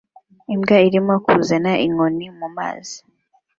Imbwa irimo kuzana inkoni mu mazi